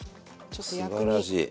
すばらしい。